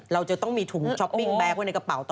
เราจะต้องมีถุงช้อปปิ้งแก๊กไว้ในกระเป๋าต่อ